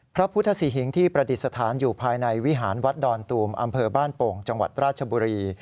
พระพุทธศรีหิงที่ประดิษฐานอยู่ภายในวิหารวัดดอนตูมอำเภอบ้านโป่งจังหวัดราชบุรี